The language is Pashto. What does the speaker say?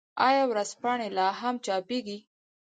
آیا ورځپاڼې لا هم چاپيږي؟